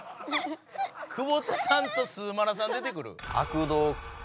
久保田さんとスーマラさん出てくる？